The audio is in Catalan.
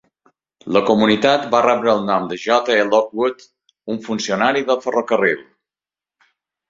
La comunitat va rebre el nom de J. E. Lockwood, un funcionari de ferrocarril.